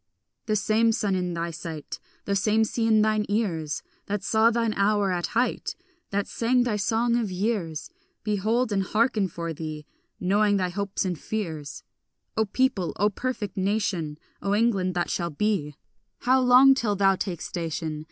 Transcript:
The same sun in thy sight, The same sea in thine ears, That saw thine hour at height, That sang thy song of years, Behold and hearken for thee, knowing thy hopes and fears. O people, O perfect nation, O England that shall be, How long till thou take station?